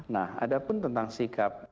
nah ada pun tentang sikap